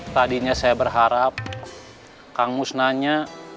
tadinya saya berharap kang mus nanya